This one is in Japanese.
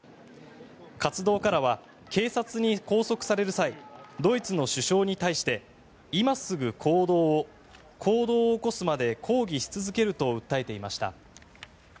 活動家らは警察に拘束される際ドイツの首相に対して今すぐ行動を行動を起こすまで抗議し続けると訴えていました。